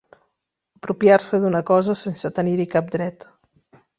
Apropiar-se d'una cosa sense tenir-hi cap dret.